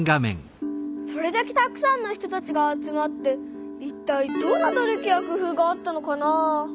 それだけたくさんの人たちが集まっていったいどんな努力や工夫があったのかなあ？